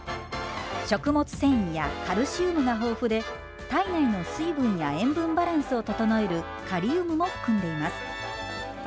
食物繊維やカルシウムが豊富で体内の水分や塩分バランスを整えるカリウムも含んでいます。